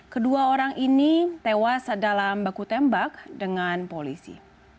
kedua orang ini tewas dalam baku tembak dengan polisi